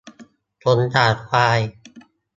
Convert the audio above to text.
สงสารควาย